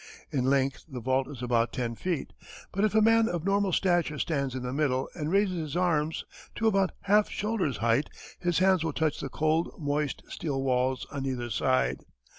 In length the vault is about ten feet, but if a man of normal stature stands in the middle and raises his arms to about half shoulder height his hands will touch the cold, moist steel walls on either side.